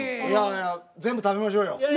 いやいや全部食べましょうよ。